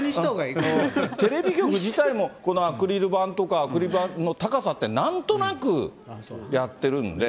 テレビ局自体も、このアクリル板とか、アクリル板の高さってなんとなくやってるんで。